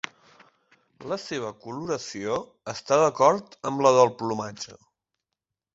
La seva coloració està d'acord amb la del plomatge.